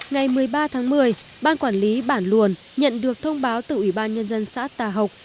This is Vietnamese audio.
ngày một mươi ba tháng một mươi ban quản lý bản luồn nhận được thông báo từ ủy ban nhân dân xã tà học